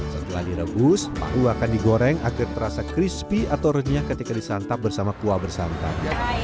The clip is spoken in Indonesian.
setelah direbus tahu akan digoreng agar terasa crispy atau renyah ketika disantap bersama kuah bersantan